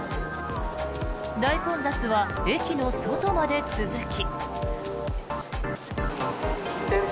大混雑は駅の外まで続き。